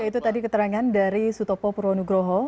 ya itu tadi keterangan dari sutopo purwonugroho